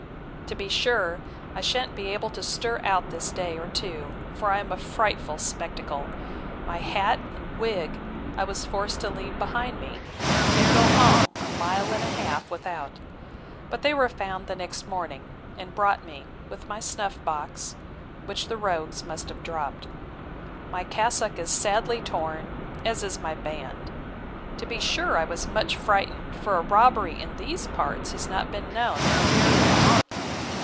To be sure, I shan't be able to stir out this day or two: for I am a frightful spectacle! My hat and wig I was forced to leave behind me, and go home, a mile and a half, without; but they were found next morning, and brought me, with my snuff box, which the rogues must have dropped. My cassock is sadly torn, as is my band. To be sure, I was much frightened, for a robbery in these parts has not been known many years.